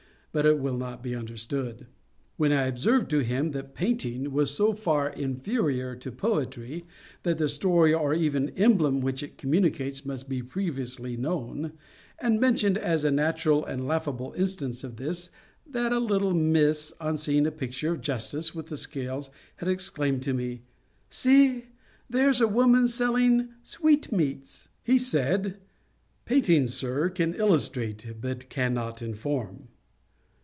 But it will not be understood.' When I observed to him that Painting was so far inferiour to Poetry, that the story or even emblem which it communicates must be previously known, and mentioned as a natural and laughable instance of this, that a little Miss on seeing a picture of Justice with the scales, had exclaimed to me, 'See, there's a woman selling sweetmeats;' he said, 'Painting, Sir, can illustrate, but cannot inform.'